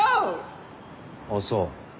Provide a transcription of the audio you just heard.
あっそう。